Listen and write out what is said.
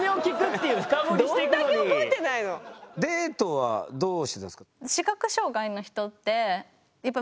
デートはどうしてたんですか？